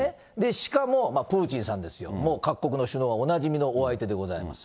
しかもプーチンさんですよ、もう各国の首脳はおなじみのお相手でございます。